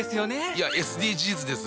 いやＳＤＧｓです。